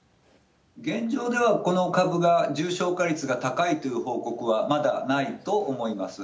現状では、この株が重症化率が高いという報告はまだないと思います。